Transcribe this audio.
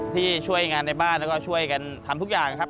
ช่วยงานในบ้านแล้วก็ช่วยกันทำทุกอย่างครับ